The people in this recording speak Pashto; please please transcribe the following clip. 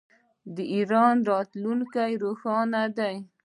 د ایران راتلونکی روښانه دی.